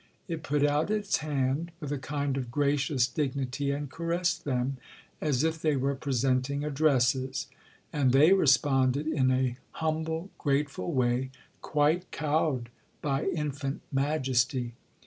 It put out its hand with a kind of gracious dignity and caressed them, as if they were presenting Addresses, and they responded in a humble, grateful way, quite cowed by infant majesty.